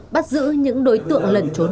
bắt giữ những đối tượng lần trốn